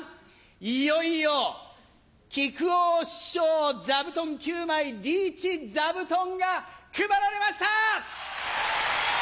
いよいよ木久扇師匠座布団９枚リーチ座布団が配られました！